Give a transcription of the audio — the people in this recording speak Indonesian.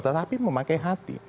tetapi memakai hati